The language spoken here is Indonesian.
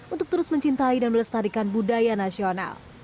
untuk terus mencintai dan melestarikan budaya nasional